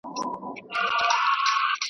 وايی وژلي مي افغانان دي .